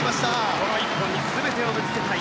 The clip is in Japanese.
この１本に全てをぶつけたい。